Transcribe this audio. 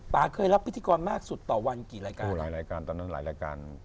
เคยรับพิธีกรมากสุดต่อวันกี่รายการโอ้หลายรายการตอนนั้นหลายรายการ